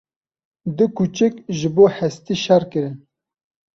Du kûçik ji bo hestî şer kirin.